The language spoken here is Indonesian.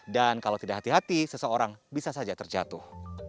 dan kalau tidak hati hati seseorang bisa saja terjatuh